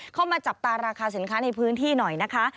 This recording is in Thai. เข้ามาจับตาราคาสินค้าในพื้นที่หน่อยนะคะ